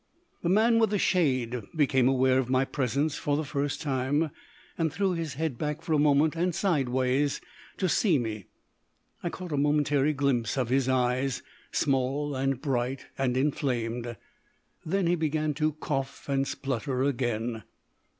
The man with the shade became aware of my presence for the first time, and threw his head back for a moment and sideways, to see me. I caught a momentary glimpse of his eyes, small and bright and inflamed. Then he began to cough and splutter again.